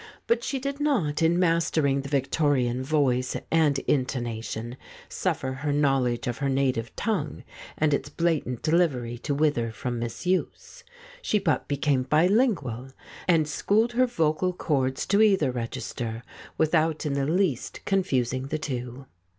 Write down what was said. But she did not, in mastering the Victorian voice and intonation, suffer her knowledge of her native tongue and its blatant delivery to wither from misuse; she but became bi lingual, and schooled her vocal cords to either register without in the least confusing the two.